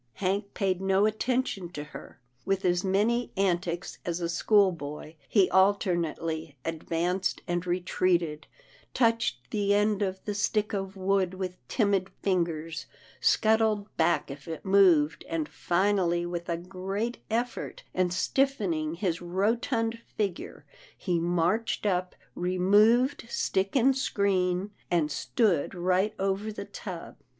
Hank paid no attention to her. With as many antics as a schoolboy, he alternately advanced and retreated, touched the end of the stick of wood with timid fingers, scuttled back if it moved, and finally with a great effort, and stiffening his rotund figure, he marched up, removed stick and screen, and stood right over the tub.